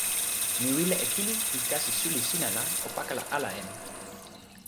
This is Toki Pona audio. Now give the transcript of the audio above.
mi wile e kili pi kasi suli sina la o pakala ala e mi.